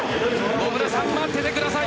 野村さん、待っててください。